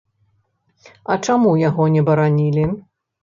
А чаму яго не баранілі?